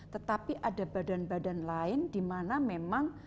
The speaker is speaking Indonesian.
tetapi ada badan badan lain di mana memang